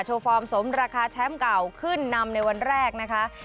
ฟอร์มสมราคาแชมป์เก่าขึ้นนำในวันแรกนะคะ